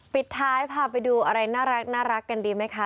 ปิดท้ายพาไปดูอะไรน่ารักกันดีไหมคะ